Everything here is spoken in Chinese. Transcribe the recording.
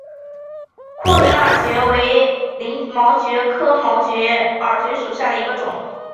阔鳞耳蕨为鳞毛蕨科耳蕨属下的一个种。